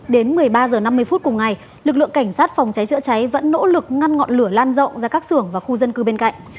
đến một mươi ba h năm mươi phút cùng ngày lực lượng cảnh sát phòng cháy chữa cháy vẫn nỗ lực ngăn ngọn lửa lan rộng ra các xưởng và khu dân cư bên cạnh